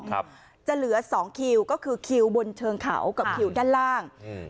ครับจะเหลือสองคิวก็คือคิวบนเชิงเขากับคิวด้านล่างอืม